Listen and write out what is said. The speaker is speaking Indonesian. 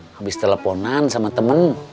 habis teleponan sama temen